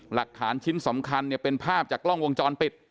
หลักฐานชิ้นสำคัญเนี่ยเป็นภาพจากกล้องวงจรปิด